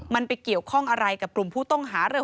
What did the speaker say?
มันไปเกี่ยวข้องอะไรกับกลุ่มผู้ต้องหาเร็ว